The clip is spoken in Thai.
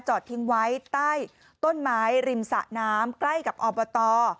ทิ้งไว้ใต้ต้นไม้ริมสะน้ำใกล้กับอบต